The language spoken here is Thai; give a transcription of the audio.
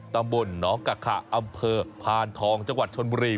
ตำบลหนองกะขะอำเภอพานทองจังหวัดชนบุรี